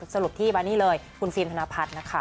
สรุปที่วันนี้เลยคุณฟิลมธนาพัดนะคะ